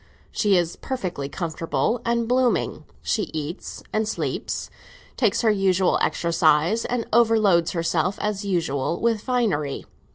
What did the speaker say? She is perfectly comfortable and blooming; she eats and sleeps, takes her usual exercise, and overloads herself, as usual, with finery.